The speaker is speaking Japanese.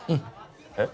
えっ？